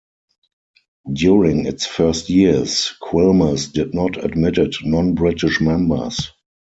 During its first years, Quilmes did not admitted non-British members.